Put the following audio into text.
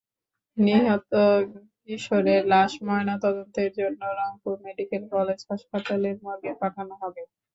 নিহত কিশোরের লাশ ময়নাতদন্তের জন্য রংপুর মেডিকেল কলেজ হাসপাতালের মর্গে পাঠানো হবে।